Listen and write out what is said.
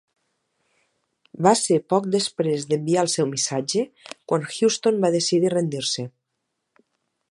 Va ser poc després d'enviar el seu missatge quan Heuston va decidir rendir-se.